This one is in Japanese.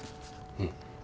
うん。